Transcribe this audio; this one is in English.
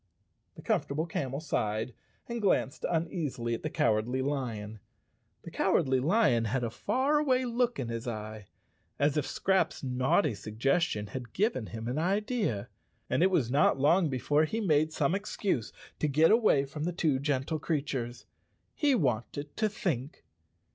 The Comfortable Camel sighed and glanced uneasily at the Cowardly Lion. The Cowardly Lion had a far¬ away look in his eye, as if Scraps' naughty suggestion had given him an idea, and it was not long before he made some excuse to get away from the two gentle creatures. He wanted to think.